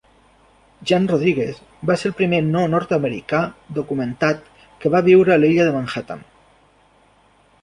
Jan Rodrigues va ser el primer no-nord-americà documentat que va viure a l'illa de Manhattan.